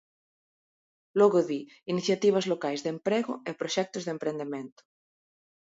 Logo di: iniciativas locais de emprego e proxectos de emprendemento.